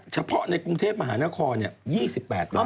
เฉพาะในกรุงเทพฯมหานครยี่สิบแปดราย